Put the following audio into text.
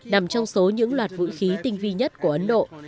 nằm trong số những loạt vũ khí tinh vi nhất của ấn độ